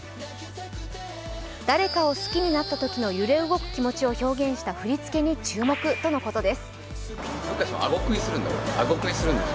誰かを好きになったときの揺れ動く気持ちを表現した振り付けに注目ということです。